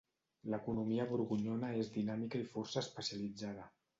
L'economia borgonyona és dinàmica i força especialitzada.